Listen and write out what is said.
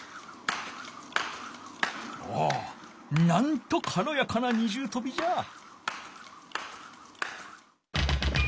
なんとかろやかな二重とびじゃ。